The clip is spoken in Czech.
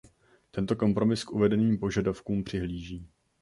Tento kompromis k uvedeným požadavkům přihlíží.